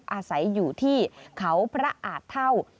อาศัยอยู่ที่เขาพระอาจเท่า